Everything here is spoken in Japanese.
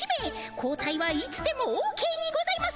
交代はいつでもオーケーにございます。